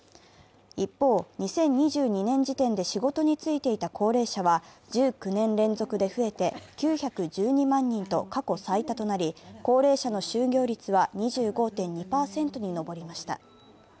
一方、２０２２年時点で仕事に就いていた高齢者は１９年連続で増えて９１２万人と過去最多となり、高齢者の就業率は２５．２％に上りました。